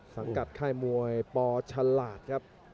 สังกัดค่ายมวยปฉลาดครับ